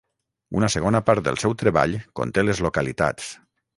Una segona part del seu treball conté les localitats.